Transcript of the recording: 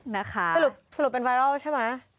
นะคะสรุปเป็นไวรัลใช่ไหม